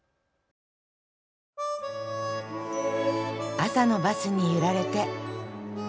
朝のバスに揺られて。